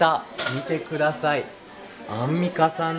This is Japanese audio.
見てください。